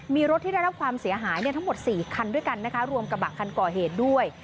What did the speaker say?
มีรถที่ได้รับความเสียหายทั้งหมด๔คันด้วยกันนะคะรวมกระบะคันก่อเหตุด้วย